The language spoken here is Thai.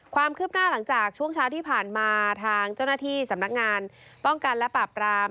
ความคืบหน้าหลังจากช่วงเช้าที่ผ่านมาทางเจ้าหน้าที่สำนักงานป้องกันและปราบราม